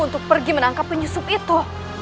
untuk pergi menangkap penyusup itu